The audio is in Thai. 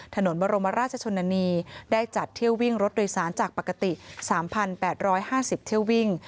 ถนนบรมราชชนนานีได้จัดเที่ยววิ่งรถโดยสารจากปกติ๓๘๕๐เที่ยววิ่ง